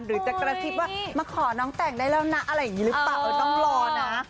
หรือจะกระซิบว่ามาขอน้องแต่งได้แล้วนะอะไรอย่างนี้หรือเปล่าเออต้องรอนะ